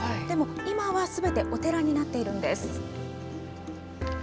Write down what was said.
でも今はすべてお寺になっているんです。